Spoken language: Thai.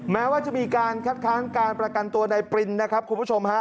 แม้ว่าจะมีการคัดค้านการประกันตัวในปรินนะครับคุณผู้ชมฮะ